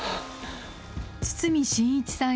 堤真一さん